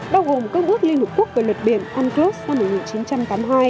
bao gồm các bước liên hợp quốc về luật biển unclos năm một nghìn chín trăm tám mươi hai